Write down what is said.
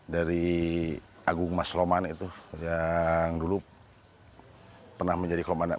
dari agung masloman itu yang dulu pernah menjadi komandan